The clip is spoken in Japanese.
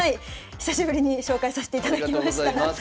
久しぶりに紹介させていただきました。